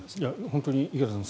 本当に池畑さん